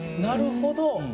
なるほど。